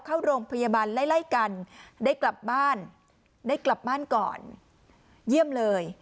เข้าโรงพยาบาลไล่กันได้กลับบ้านก่อนเยี่ยมเลย